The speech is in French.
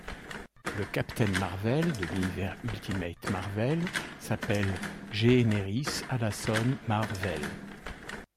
Le Captain Marvel de l’univers Ultimate Marvel s’appelle Geheneris Halason Mahr Vehl.